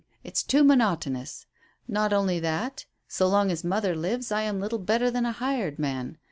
It's too monotonous. Not only that; so long as mother lives I am little better than a hired man.